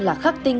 là khắc tinh